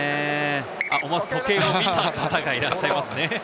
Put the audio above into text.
思わず時計を見た方がいらっしゃいますね。